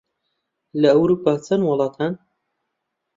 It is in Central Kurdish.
لە ئەورووپا چەند وڵات هەن؟